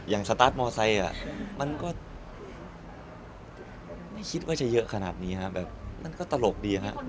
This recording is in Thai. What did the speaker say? อย่างสตาร์ทมอร์ไซค์มันก็ไม่คิดว่าจะเยอะขนาดนี้มันก็ตลกดี